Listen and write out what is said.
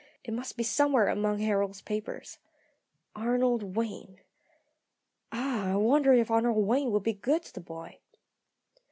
It must be somewhere among Harold's papers. Arnold Wayne ah, I wonder if Arnold Wayne will be good to the boy?